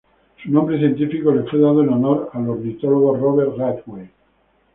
Su nombre científico le fue dado en honor al ornitólogo Robert Ridgway.